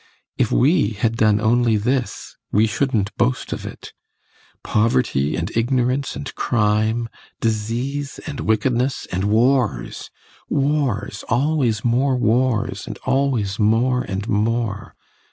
If we had done only this, we shouldn't boast of it. Poverty, and ignorance, and crime; disease, and wickedness, and wars! Wars, always more wars, and always more and more.